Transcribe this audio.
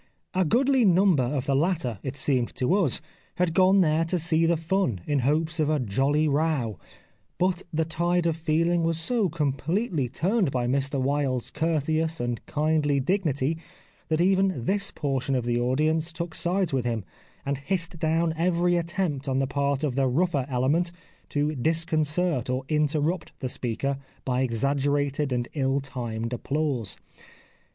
A goodly number of the latter, it seemed to us, had gone there to see the fun, in hopes of a jolly row ; but the tide of feeling was so completely turned by Mr Wilde's cour teous and kindly dignity that even this portion of the audience took sides with him, and hissed down every attempt on the part of the rougher element to disconcert or interrupt the speaker by exaggerated and ill timed applause.